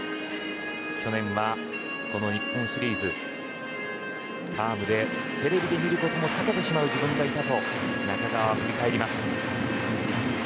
去年は、この日本シリーズファームでテレビで見ることも避けてしまう自分がいた、と中川は振り返ります。